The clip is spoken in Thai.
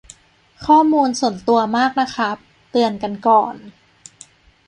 ข้อมูลส่วนตัวมากนะครับ เตือนกันก่อน